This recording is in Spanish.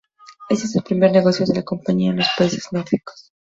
Este es el primer negocio de la compañía en los países nórdicos.